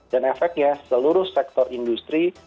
dan efeknya seluruh sektor industri